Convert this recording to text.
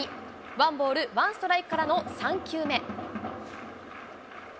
ワンボールワンストライクからの３球目。